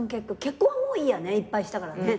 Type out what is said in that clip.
結婚はもういいやねいっぱいしたからね。